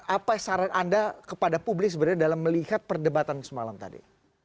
apa saran anda kepada publik sebenarnya dalam melihat perdebatan semalam tadi